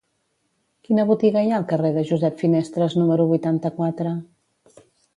Quina botiga hi ha al carrer de Josep Finestres número vuitanta-quatre?